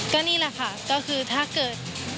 ก็นี่แหละค่ะก็คือถ้าเกิด